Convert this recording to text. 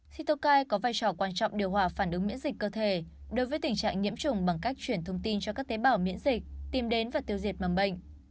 sitokai có vai trò quan trọng điều hòa phản ứng miễn dịch cơ thể đối với tình trạng nhiễm trùng bằng cách chuyển thông tin cho các tế bảo miễn dịch tìm đến và tiêu diệt mầm bệnh